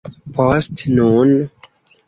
Post nun...